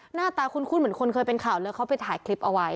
หน้าตาคุ้นเหมือนคนเคยเป็นข่าวเลยเขาไปถ่ายคลิปเอาไว้